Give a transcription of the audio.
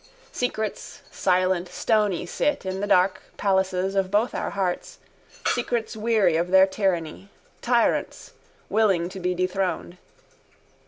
Secrets, silent, stony sit in the dark palaces of both our hearts: secrets weary of their tyranny: tyrants, willing to be dethroned.